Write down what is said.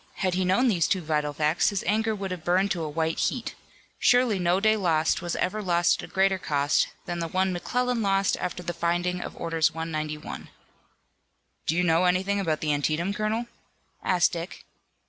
Had he known these two vital facts his anger would have burned to a white heat. Surely no day lost was ever lost at a greater cost than the one McClellan lost after the finding of Orders No. 191. "Do you know anything about the Antietam, colonel?" asked Dick.